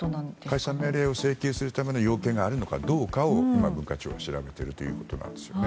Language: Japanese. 解散命令を請求するための要件があるのかどうかを文化庁が調べているということなんですね。